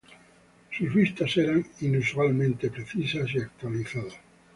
Sus vistas eran inusualmente precisas y actualizadas.